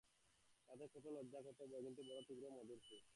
তাতে কত লজ্জা কত ভয়, কিন্তু বড়ো তীব্র মধুর সে।